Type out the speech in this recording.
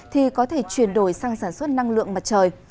thì có thể chuyển đổi sang sản xuất năng lượng mặt trời